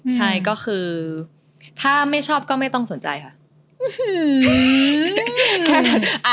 ใช่ก็คือถ้าไม่ชอบก็ไม่ต้องสนใจค่ะ